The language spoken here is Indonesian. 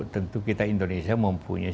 tentu kita indonesia mempunyai